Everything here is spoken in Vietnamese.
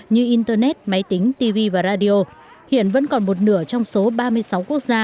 như internet máy tính tv và radio hiện vẫn còn một nửa trong số ba mươi sáu quốc gia